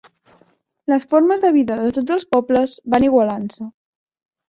Les formes de vida de tots els pobles van igualant-se.